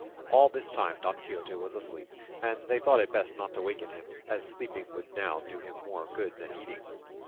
All this time Don Quixote was asleep, and they thought it best not to waken him, as sleeping would now do him more good than eating.